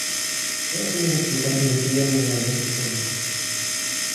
Todas ellas se explican y describen en el anexo superior.